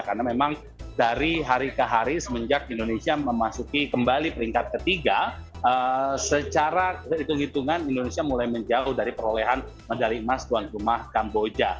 karena memang dari hari ke hari semenjak indonesia memasuki kembali peringkat ketiga secara hitung hitungan indonesia mulai menjauh dari perolehan medali emas tuan rumah kamboja